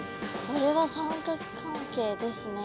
これは三角関係ですね。